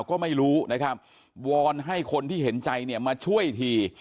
ก็ไม่รู้นะครับวอนให้คนที่เห็นใจเนี่ยมาช่วยที